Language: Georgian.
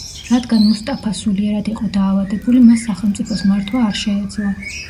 რადგან მუსტაფა სულიერად იყო დაავადებული, მას სახელმწიფოს მართვა არ შეეძლო.